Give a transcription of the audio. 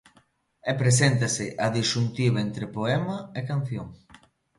E preséntase a disxuntiva entre poema e canción.